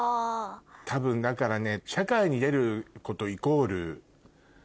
多分だからね。